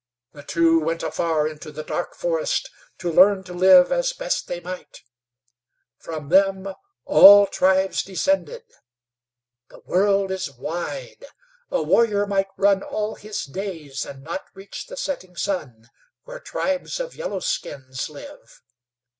The two went afar into the dark forest, to learn to live as best they might. From them all tribes descended. The world is wide. A warrior might run all his days and not reach the setting sun, where tribes of yellow skins live.